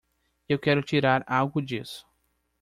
Eu quero tirar algo disso.